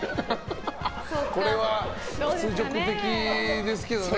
これは屈辱的ですけどね。